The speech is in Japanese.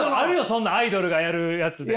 そんなアイドルがやるやつで！